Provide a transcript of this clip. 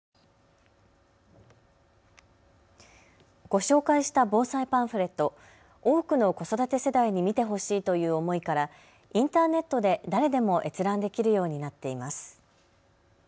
ご紹介した防災パンフレット、多くの子育て世代に見てほしいという思いからインターネットで誰でも閲覧できるようになっています。